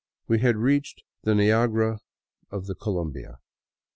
We had reached the " Niagara of Colombia."